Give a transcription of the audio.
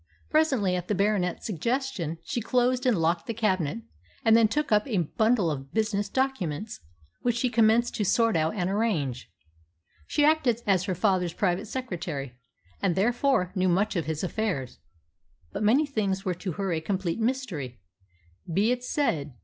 Presently, at the Baronet's suggestion, she closed and locked the cabinet, and then took up a bundle of business documents, which she commenced to sort out and arrange. She acted as her father's private secretary, and therefore knew much of his affairs. But many things were to her a complete mystery, be it said.